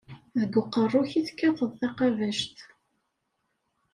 Deg uqerru-k i tekkateḍ taqabact.